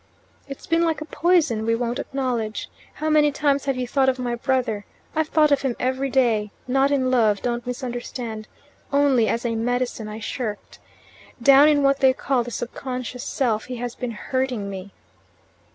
"It's been like a poison we won't acknowledge. How many times have you thought of my brother? I've thought of him every day not in love; don't misunderstand; only as a medicine I shirked. Down in what they call the subconscious self he has been hurting me."